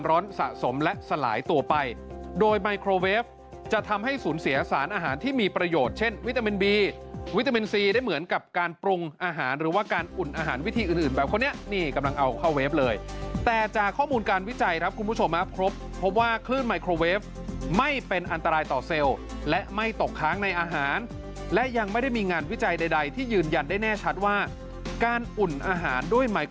ร้อนสะสมและสลายตัวไปโดยไมโครเวฟจะทำให้สูญเสียสารอาหารที่มีประโยชน์เช่นวิตามินบีวิตามินซีได้เหมือนกับการปรุงอาหารหรือว่าการอุ่นอาหารวิธีอื่นแบบคนนี้นี่กำลังเอาเข้าเวฟเลยแต่จากข้อมูลการวิจัยครับคุณผู้ชมครบเพราะว่าคลื่นไมโครเวฟไม่เป็นอันตรายต่อเซลล์และไม่ตกค้างในอาหาร